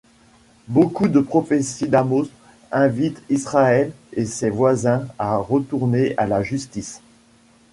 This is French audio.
Beaucoup de prophéties d'Amos invitent Israël et ses voisins à retourner à la justice.